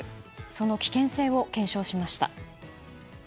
その危険性を検証しました。